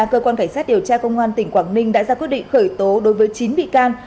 cơ quan cảnh sát điều tra công an tỉnh quảng ninh đã ra quyết định khởi tố đối với chín bị can